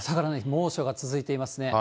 猛暑が続いていますね。